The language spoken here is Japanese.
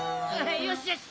よしよし。